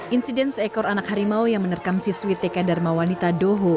insiden seekor anak harimau yang menerkam siswi tk dharma wanita doho